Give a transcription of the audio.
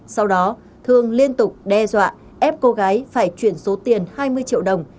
sau đó thương liên tục đe dọa ép cô gái phải chuyển số tiền hai mươi triệu đồng